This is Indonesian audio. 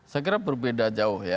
saya kira berbeda jauh ya